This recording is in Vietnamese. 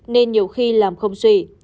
nên nhiều khi làm không suy